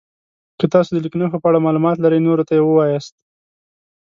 که تاسو د لیک نښو په اړه معلومات لرئ نورو ته یې ووایاست.